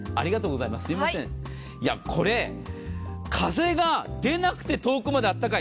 風が出なくて遠くまであったかい。